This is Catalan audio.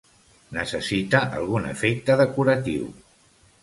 Necessita algun efecte decoratiu.